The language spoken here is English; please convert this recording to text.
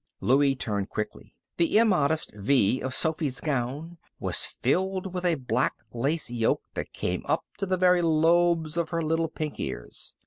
Louie turned quickly. The immodest V of Sophy's gown was filled with a black lace yoke that came up to the very lobes of her little pink ears.